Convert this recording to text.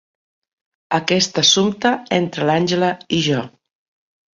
Aquest assumpte entre l'Angela i jo.